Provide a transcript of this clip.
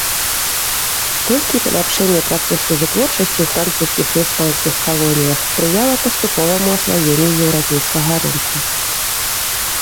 Толькі паляпшэнне працэсу вытворчасці ў французскіх і іспанскіх калоніях спрыяла паступоваму асваенню еўрапейскага рынку.